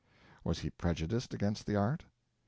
Was he prejudiced against the art?